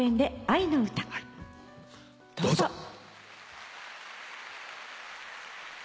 どうぞ。